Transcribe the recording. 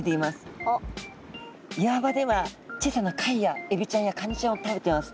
岩場では小さな貝やエビちゃんやカニちゃんを食べてます。